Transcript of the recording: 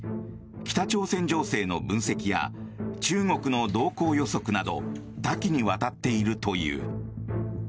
北朝鮮情勢の分析や中国の動向予測など多岐にわたっているという。